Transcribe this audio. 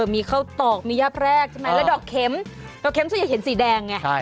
มีข้าวตอกมีหญ้าแพรกและดอกเข็มเดอะเข็มจะเห็นสีแดงไง